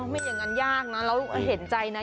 ไม่อย่างนั้นยากนะเราเห็นใจนะ